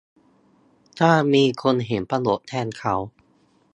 ถ้ามีคนเห็นประโยชน์แทนเขา